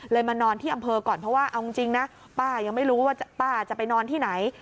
มานอนที่อำเภอก่อนเพราะว่าเอาจริงนะป้ายังไม่รู้ว่าป้าจะไปนอนที่ไหน